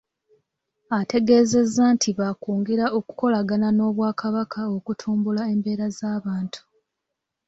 Ategeezezza nti baakwongera okukolagana n’Obwakabaka okutumbula embeera z’abantu.